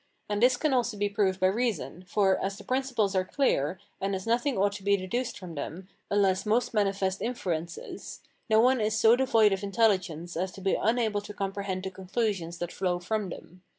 And this can also be proved by reason; for, as the principles are clear, and as nothing ought to be deduced from them, unless most manifest inferences, no one is so devoid of intelligence as to be unable to comprehend the conclusions that flow from them.